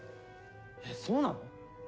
えっそうなの！？